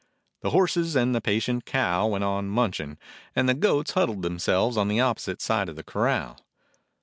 The horses and the patient cow went on munch ing and the goats huddled themselves on the opposite side of the corral.